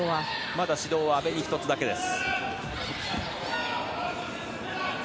まだ指導は阿部に１つだけです。